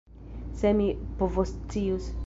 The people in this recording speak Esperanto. Se mi povoscius!